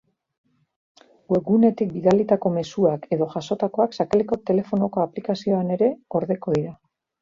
Webgunetik bidalitako mezuak edo jasotakoak sakelako telefonoko aplikazioan ere gordeko dira.